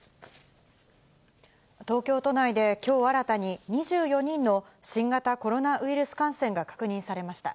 東京都内できょう新たに２４人の新型コロナウイルス感染が確認されました。